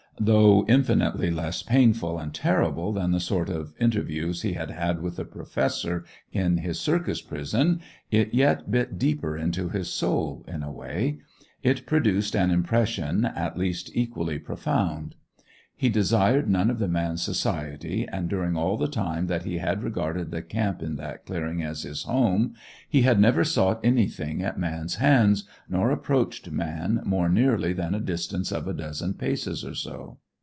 Though infinitely less painful and terrible than the sort of interviews he had had with the Professor in his circus prison, it yet bit deeper into his soul, in a way; it produced an impression at least equally profound. He desired none of man's society, and during all the time that he had regarded the camp in that clearing as his home, he had never sought anything at man's hands, nor approached man more nearly than a distance of a dozen paces or so.